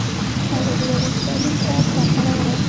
ازادي راډیو د تعلیم ته پام اړولی.